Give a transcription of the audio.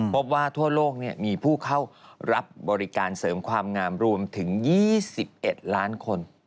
พบว่าทั่วโลกมีผู้เข้ารับบริการเสริมความงามรวมถึง๒๑ล้านคน